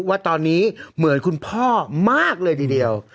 ว่าตอนนี้เหมือนคุณพ่อมากเลยทีเดียว